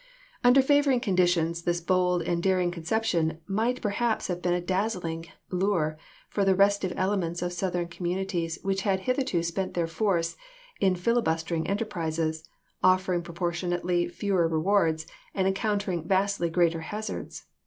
Under favoring conditions this bold and daring conception might perhaps have been a dazzling lure for the restive elements of Southern commu nities which had hitherto spent their force in fili bustering enterprises, offering proportionately fewer rewards and encountering vastly greater hazards.